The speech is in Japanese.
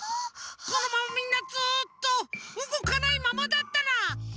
このままみんなずっとうごかないままだったら！